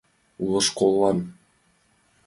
Уло школлан.